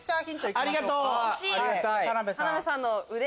ありがとう！